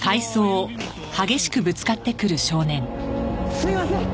すいません！